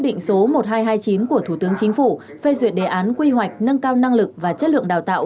định số một nghìn hai trăm hai mươi chín của thủ tướng chính phủ phê duyệt đề án quy hoạch nâng cao năng lực và chất lượng đào tạo